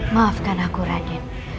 maafkan aku raden